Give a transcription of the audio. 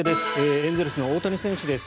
エンゼルスの大谷選手です。